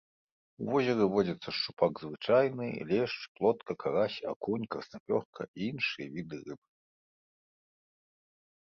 У возеры водзяцца шчупак звычайны, лешч, плотка, карась, акунь, краснапёрка і іншыя віды рыб.